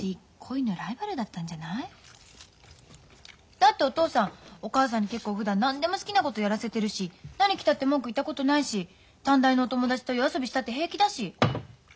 だってお父さんお母さんに結構ふだん何でも好きなことやらせてるし何着たって文句言ったことないし短大のお友達と夜遊びしたって平気だし。